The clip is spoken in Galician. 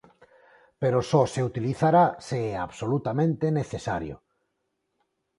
Pero só se utilizará se é absolutamente necesario.